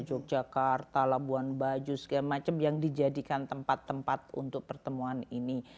yogyakarta labuan bajo segala macam yang dijadikan tempat tempat untuk pertemuan ini